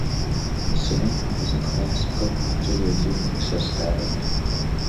Sam follows a classical modular Unix aesthetic.